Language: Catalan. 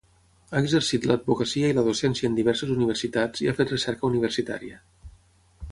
Ha exercit l'advocacia i la docència en diverses universitats i ha fet recerca universitària.